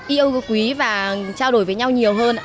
yêu quý và trao đổi với nhau nhiều hơn